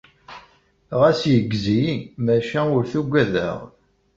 Ɣas yeggez-iyi, maca ur t-ugadeɣ.